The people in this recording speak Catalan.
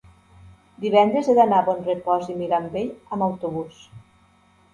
Divendres he d'anar a Bonrepòs i Mirambell amb autobús.